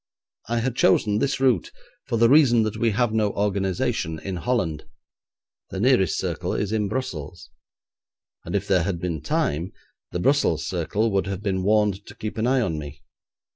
I had chosen this route for the reason that we have no organisation in Holland: the nearest circle is in Brussels, and if there had been time, the Brussels circle would have been warned to keep an eye on me.